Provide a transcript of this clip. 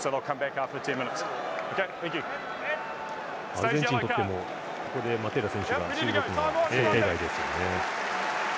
アルゼンチンにとってもここでマテーラ選手が退くのは想定外ですよね。